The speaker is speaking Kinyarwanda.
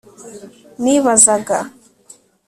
Nibazaga…